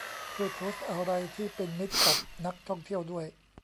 ช่วยโพสต์อะไรที่เป็นมิตรกับนักท่องเที่ยวด้วย